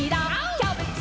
「キャベツ。」